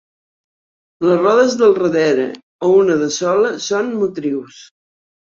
Les rodes del darrere, o una de sola, són motrius.